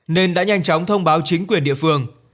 nên đã nhanh chóng thông báo chính quyền địa phương